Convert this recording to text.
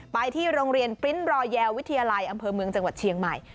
ไปที่โรงเรียนปริ้นต์รอแยวิทยาลัยอำเภอเมืองจังหวัดเชียงใหม่